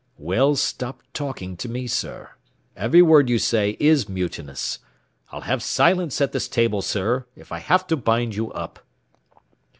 "Well, stop talking to me, sir. Every word you say is mutinous. I'll have silence at this table, sir, if I have to bind you up."